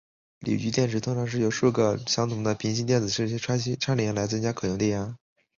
锂聚电池通常是由数个相同的平行子电池芯串联来增加可用电压。